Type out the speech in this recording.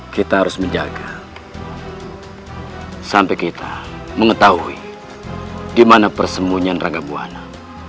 kita harus menjaga sampai kita mengetahui dimana persemunyian rangga buana